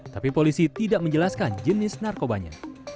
tapi polisi tidak menjelaskan jenis narkobanya